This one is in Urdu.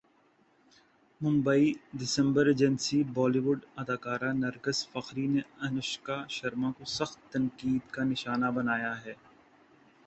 ممبئی دسمبرایجنسی بالی وڈ اداکارہ نرگس فخری نے انوشکا شرما کو سخت تنقید کا نشانہ بنایا ہے